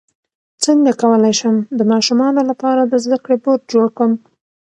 څنګه کولی شم د ماشومانو لپاره د زده کړې بورډ جوړ کړم